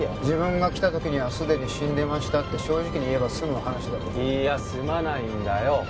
自分が来た時にはすでに死んでましたって正直に言えばすむ話だろいいやすまないんだよ